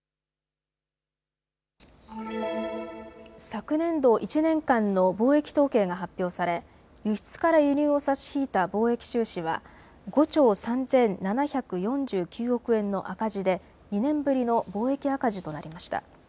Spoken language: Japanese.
昨年度１年間の貿易統計が発表され輸出から輸入を差し引いた貿易収支は５兆３７４９億円の赤字で２年ぶりの貿易赤字となりました。